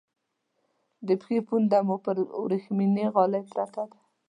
د پښې پونډۍ مو پر ورېښمینې غالی پرته ده.